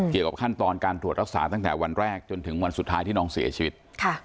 เกี่ยวกับขั้นตอนการตรวจรักษาตั้งแต่วันแรกจนถึงวันสุดท้ายที่น้องเสียชีวิต